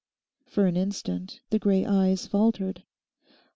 For an instant the grey eyes faltered.